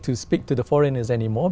tôi có thể ngồi xuống và bình tĩnh